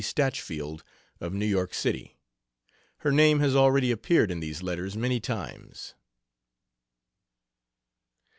Staachfield, of New York City. Her name has already appeared in these letters many times.